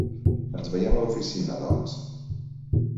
Ens veiem a l'oficina, doncs.